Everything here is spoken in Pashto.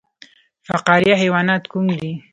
فقاریه حیوانات کوم دي؟